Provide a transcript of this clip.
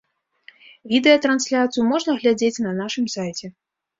Відэатрансляцыю можна глядзець на нашым сайце.